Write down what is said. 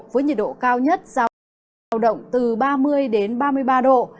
với nhiệt độ cao nhất giao động từ ba mươi ba mươi ba độ